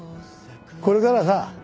これからはさ